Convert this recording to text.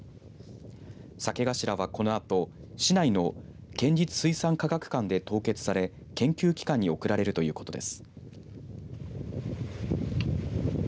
サケガシラは、このあと市内の県立水産科学館で凍結され研究機関に送られるということです。